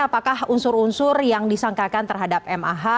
apakah unsur unsur yang disangkakan terhadap mah